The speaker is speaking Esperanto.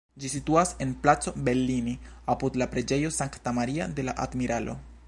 Ĝi situas en Placo Bellini, apud la Preĝejo Sankta Maria de la Admiralo.